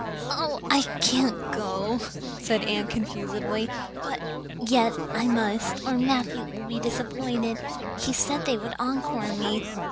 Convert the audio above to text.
"Oh, I can't go," said Anne confusedly. "But yet I must, or Matthew will be disappointed. He said they would encore me."